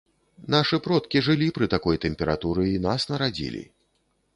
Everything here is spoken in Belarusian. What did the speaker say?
Нашы продкі жылі пры такой тэмпературы і нас нарадзілі.